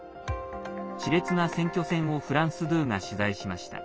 しれつな選挙戦をフランス２が取材しました。